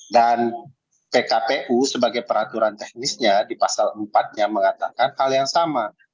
dan pkpu sebagai peraturan teknisnya di pasal empat nya mengatakan hal yang sama